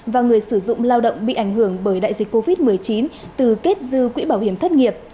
và người sử dụng lao động bị ảnh hưởng bởi đại dịch covid một mươi chín từ kết dư quỹ bảo hiểm thất nghiệp